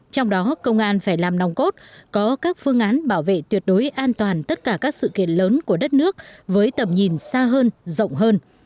trong đó công an phải làm nòng cốt có các phương án bảo vệ tuyệt đối an toàn tất cả các sự kiện lớn của đất nước với tầm nhìn xa hơn rộng hơn